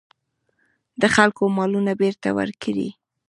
د خلکو مالونه بېرته ورکړي.